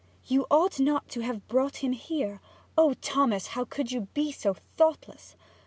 'You ought not to have brought him here. Oh Thomas, how could you be so thoughtless!